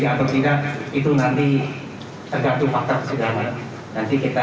apakah nanti juga disertakan hukuman tuntutan ke sendiri pak